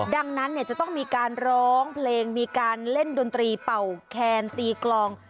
ดังนั้นจะต้องมีการร้องเพลงมีการเล่นดนตรีเป่าแคนตีกลอง